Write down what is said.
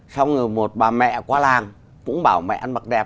xong rồi một bà mẹ qua làng cũng bảo mẹ ăn mặc đẹp